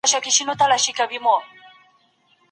د سرطان درملنه د ناروغانو لپاره ارزښتناکه ده.